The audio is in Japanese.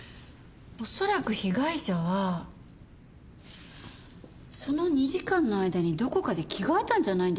恐らく被害者はその２時間の間にどこかで着替えたんじゃないんでしょうか。